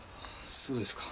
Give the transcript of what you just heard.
そうですか。